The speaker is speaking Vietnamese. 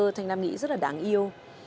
thanh lam nghĩ rất là đáng yêu